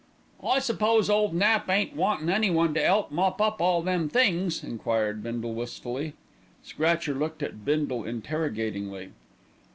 "I suppose ole Nap ain't wantin' anyone to 'elp mop up all them things?" enquired Bindle wistfully. Scratcher looked at Bindle interrogatingly.